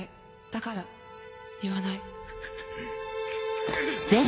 だから言わない。